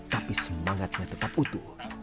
tapi semangatnya tetap utuh